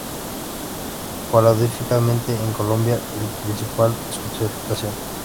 Paradójicamente, en Colombia es difícil su aceptación.